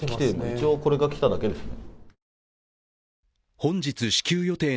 一応、これが来ただけですね。